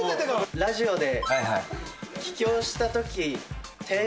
ラジオで。